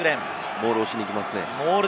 モールをしに行きますね。